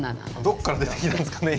どっから出てきたんですかね